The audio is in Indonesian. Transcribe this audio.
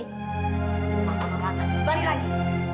mama akan kembali lagi